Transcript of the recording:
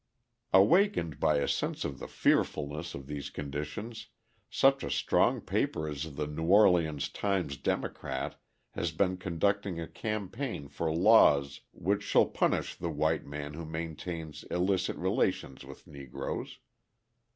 Awakened by a sense of the fearfulness of these conditions, such a strong paper as the New Orleans Times Democrat has been conducting a campaign for laws which shall punish the white man who maintains illicit relations with Negroes.